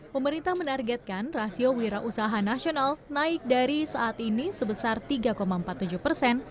pemerintah menargetkan rasio wira usaha nasional naik dari saat ini sebesar tiga empat puluh tujuh persen